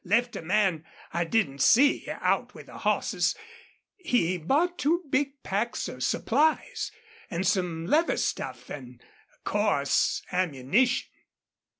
Left a man I didn't see out with the hosses. He bought two big packs of supplies, an' some leather stuff, an', of course, ammunition.